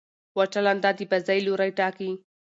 وچه لنده د بازۍ لوری ټاکي.